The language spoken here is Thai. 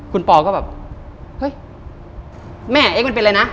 คุณพอก็แบบเฮ้ยแม่เอ็กซ์มันเป็นไรนะ